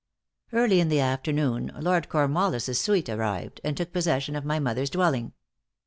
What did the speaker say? Early in the afternoon Lord Cornwallis's suite arrived, and took possession of my mother's dwelling.